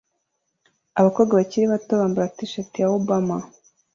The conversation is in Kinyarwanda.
Abakobwa bakiri bato bambara t-shirt ya "Obama"